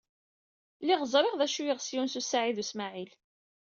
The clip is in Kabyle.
Lliɣ ẓriɣ d acu ay yeɣs Yunes u Saɛid u Smaɛil.